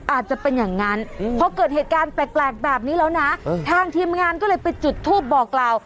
อาจจะเป็นอย่างนั้นพอเกิดเหตุการณ์แปลกแบบนี้แล้วนะทางทีมงานก็เลยไปจุดทูปบอกกล่าว